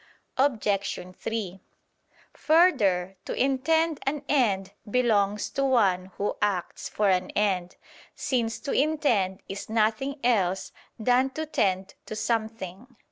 Obj. 3: Further, to intend an end belongs to one who acts for an end; since to intend is nothing else than to tend to something.